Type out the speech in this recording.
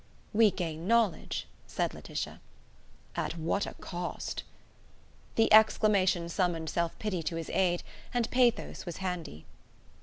"We gain knowledge," said Laetitia. "At what a cost!" The exclamation summoned self pity to his aid, and pathos was handy.